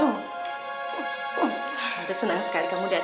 tante senang sekali kamu datang